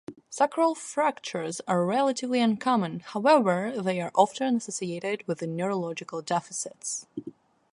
Sacral fractures are relatively uncommon however they are often associated with neurological deficits.